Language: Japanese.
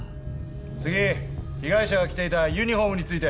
次被害者が着ていたユニホームについて。